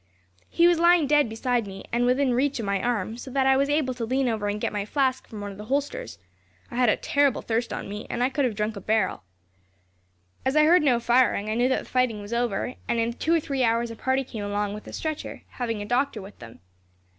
He was lying dead beside me, and within reach of my arm, so that I was able to lean over and get my flask from one of the holsters. I had a terrible thirst on me, and could have drunk a barrel. "As I heard no firing, I knew that the fighting was over; and in two or three hours a party came along with a stretcher, having a doctor with them.